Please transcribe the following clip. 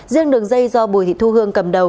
riêng đường dây do bùi thị thu hương cầm đầu